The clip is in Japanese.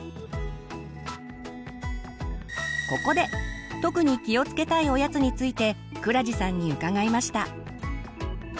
ここで特に気をつけたいおやつについて倉治さんに伺いました。